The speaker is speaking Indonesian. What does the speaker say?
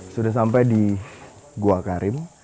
sudah sampai di gua karim